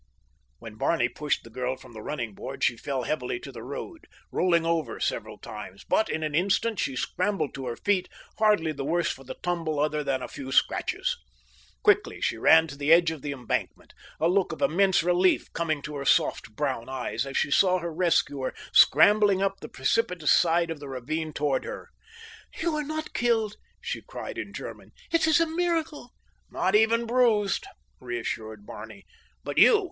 When Barney pushed the girl from the running board she fell heavily to the road, rolling over several times, but in an instant she scrambled to her feet, hardly the worse for the tumble other than a few scratches. Quickly she ran to the edge of the embankment, a look of immense relief coming to her soft, brown eyes as she saw her rescuer scrambling up the precipitous side of the ravine toward her. "You are not killed?" she cried in German. "It is a miracle!" "Not even bruised," reassured Barney. "But you?